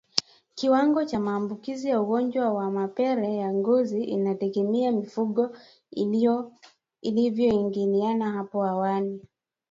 Kiwango cha maambukizi ya ugonjwa wa mapele ya ngozi inategemea mifugo ilivyoingiliana hapo awali